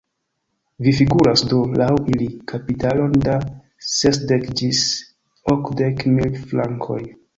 Vi figuras do, laŭ ili, kapitalon da sesdek ĝis okdek mil frankoj.